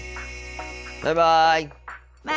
バイバイ。